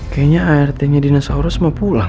kayaknya art nya dinosaurus mau pulang